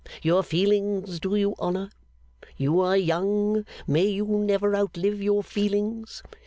Your feelings do you honour. You are young; may you never outlive your feelings!